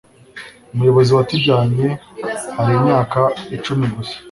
umuyobozi watujyanye hari imyaka icumi gusa